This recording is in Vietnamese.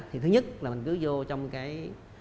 thì thứ nhất là mình cứ vô trong cái